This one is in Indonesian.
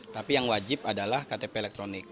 tapi yang wajib adalah ktp elektronik